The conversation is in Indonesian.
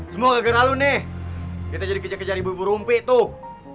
semua kegera lu nih kita jadi kejar kejar ibu ibu rumpik tuh